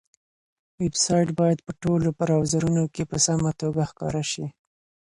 ویب سایټ باید په ټولو براوزرونو کې په سمه توګه ښکاره شي.